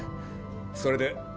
それで。